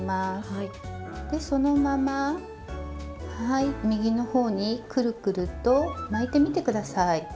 でそのままはい右の方にくるくると巻いてみて下さい。